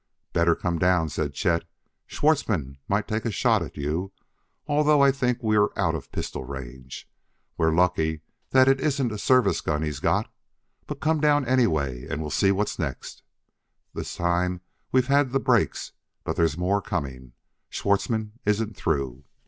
"Better come down," said Chet. "Schwartzmann might take a shot at you, although I think we are out of pistol range. We're lucky that isn't a service gun he's got, but come down anyway, and we'll see what's next. This time we've had the breaks, but there's more coming. Schwartzmann isn't through."